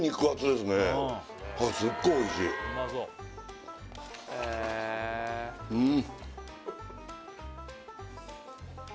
すっごいおいしいうん！